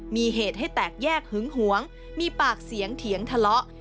มีเหตุให้แตกแยกหึงหวงมีปากเสียงเถียงทะเลาะ